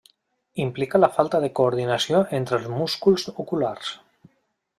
Implica la falta de coordinació entre els músculs oculars.